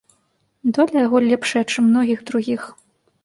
Доля яго лепшая, чым многіх другіх.